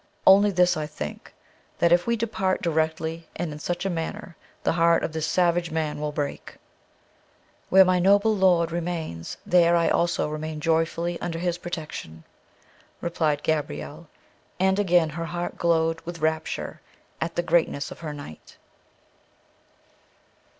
Only this I think, that if we depart directly and in such a manner, the heart of this savage man will break." "Where my noble lord remains, there I also remain joyfully under his protection," replied Gabrielle; and again her heart glowed with rapture at the greatness of her knight.